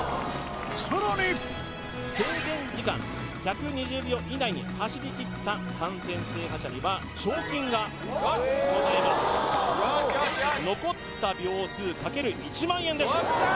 さらに制限時間１２０秒以内に走り切った完全制覇者には賞金がございますええ・よしよしよし残った秒数かける１万円ですよっしゃ！